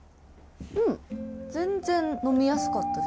全然のみやすかったです